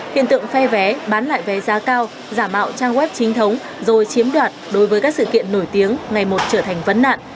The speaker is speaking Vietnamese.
hiện tượng phe vé bán lại vé giá cao giả mạo trang web chính thống rồi chiếm đoạt đối với các sự kiện nổi tiếng ngày một trở thành vấn nạn